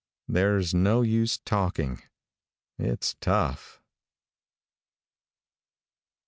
There's no use talking, it's tough.